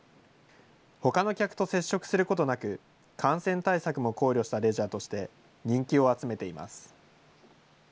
ほかの客と接触することなく、感染対策も考慮したレジャーとして、人気を集めています。